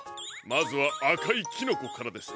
まずはあかいキノコからです。